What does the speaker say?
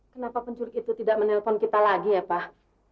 kenapa pencuri itu tidak menelpon kita lagi ya pak